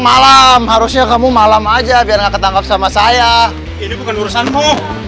malam harusnya kamu malam aja biar nggak ketangkap sama saya ini bukan urusanmu